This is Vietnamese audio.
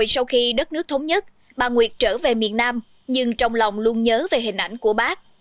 sau khi đất nước thống nhất bà nguyệt trở về miền nam nhưng trong lòng luôn nhớ về hình ảnh của bác